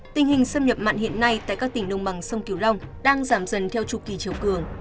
tình hình xâm nhập mặn hiện nay tại các tỉnh đồng bằng sông kiều long đang giảm dần theo chu kỳ chiều cường